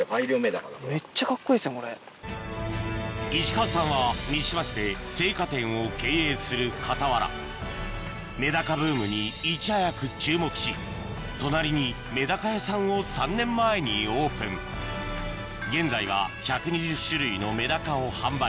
石川さんは三島市で生花店を経営する傍らメダカブームにいち早く注目し隣にメダカ屋さんを３年前にオープン現在は１２０種類のメダカを販売